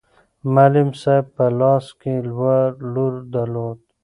معلم صاحب په لاس کې لور درلود.